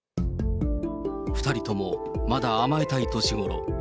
２人ともまだ甘えたい年ごろ。